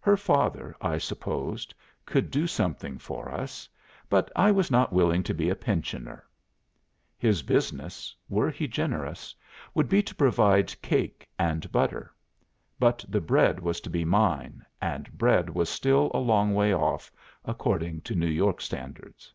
Her father, I supposed, could do something for us. But I was not willing to be a pensioner. His business were he generous would be to provide cake and butter; but the bread was to be mine and bread was still a long way off, according to New York standards.